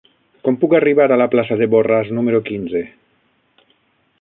Com puc arribar a la plaça de Borràs número quinze?